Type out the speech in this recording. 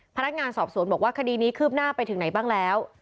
พนักงานสอบสวนบอกว่าคดีนี้คืบหน้าไปถึงไหนบ้างแล้ว